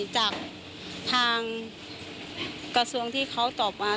จากทางกระทรวงที่เขาตอบมา